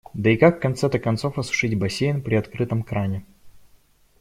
Да и как в конце-то концов осушить бассейн при открытом кране.